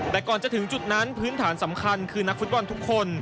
แต่ก่อนจะถึงจุดนั้นพื้นฐานสำคัญคือนักฟุตบอลทุกคน